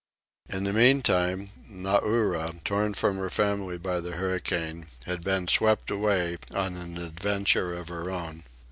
In the meantime, Nauri, torn from her family by the hurricane, had been swept away on an adventure of her own.